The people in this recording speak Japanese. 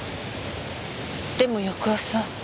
でも翌朝。